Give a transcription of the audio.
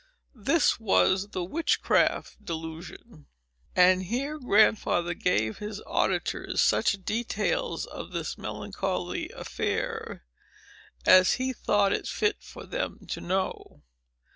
This was the witchcraft delusion." And here Grandfather gave his auditors such details of this melancholy affair, as he thought it fit for them to know.